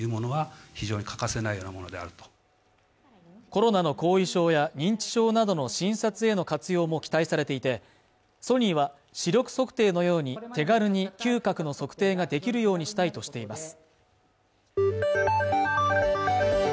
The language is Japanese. コロナの後遺症や認知症などの診察への活用も期待されていてソニーは視力測定のように手軽に嗅覚の測定ができるようにしたいとしています